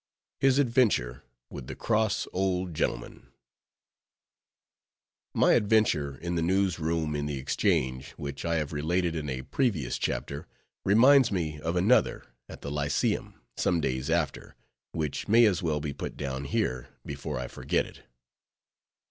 HIS ADVENTURE WITH THE CROSS OLD GENTLEMAN My adventure in the News Room in the Exchange, which I have related in a previous chapter, reminds me of another, at the Lyceum, some days after, which may as well be put down here, before I forget it.